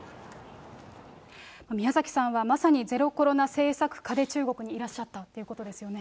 宮崎さんはまさにゼロコロナ政策下で中国にいらっしゃったということですよね。